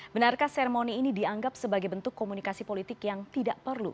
benarkah seremoni ini dianggap sebagai bentuk komunikasi politik yang tidak perlu